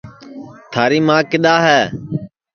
تھاری ماں کِدؔا ہے